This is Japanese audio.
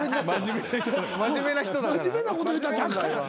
真面目なこと言うたってあかんやん。